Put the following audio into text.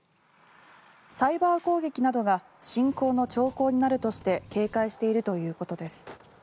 サイバー攻撃などが侵攻の兆候になるとして警戒しているということです。